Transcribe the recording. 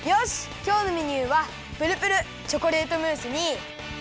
きょうのメニューはぷるぷるチョコレートムースにきまり！